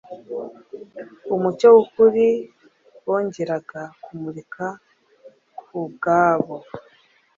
Umucyo w'ukuri wongeraga kumurika ku bw'abo,